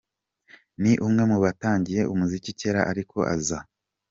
Ni umwe mu batangiye umuziki cyera ariko aza